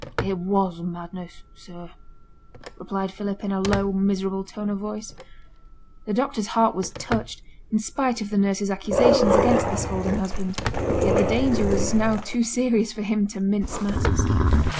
'It was madness, sir!' replied Philip, in a low, miserable tone of voice. The doctor's heart was touched, in spite of the nurse's accusations against the scolding husband. Yet the danger was now too serious for him to mince matters.